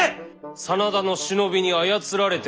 真田の忍びに操られておる。